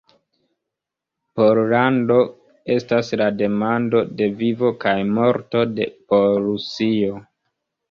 Pollando estas la demando de vivo kaj morto por Rusio.